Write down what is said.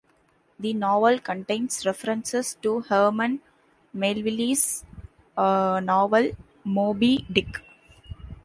The novel contains references to Herman Melville's novel "Moby-Dick".